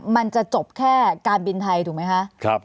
มันจะจบแค่การบินไทยถูกไหมคะ